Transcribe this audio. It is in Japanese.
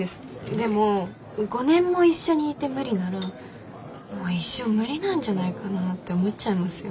でも５年も一緒にいて無理ならもう一生無理なんじゃないかなって思っちゃいますよ。